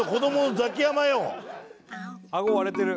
「あご割れてる」